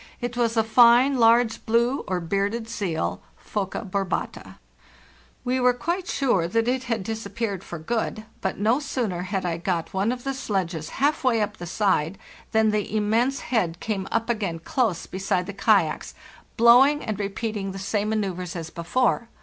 It was a fine, large blue or bearded seal (Phoca barbata). " We were quite sure that it had disappeared for good, but no sooner had I got one of the sledges half way up gain close the side than the immense head came up a beside the kayaks, blowing and repeating the same ma II.—19 290 FARTHEST NORTH noeuvres as before.